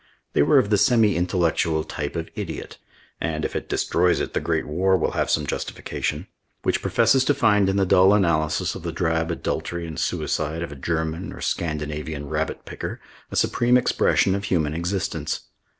They were of the semi intellectual type of idiot and, if it destroys it, the great war will have some justification which professes to find in the dull analysis of the drab adultery and suicide of a German or Scandinavian rabbit picker a supreme expression of human existence.